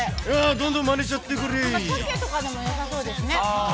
どんどんマネしちゃってくれ。